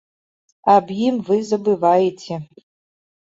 Аб ім вы забываеце.